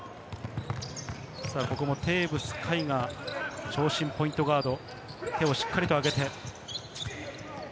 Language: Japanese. ここもテーブス海が、長身ポイントガード、手をしっかりと上げて。